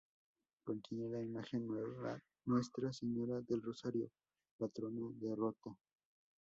Contiene la imagen Nuestra Señora del Rosario, patrona de Rota.